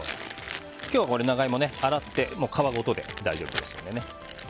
今日は長イモ洗って皮ごとで大丈夫ですので。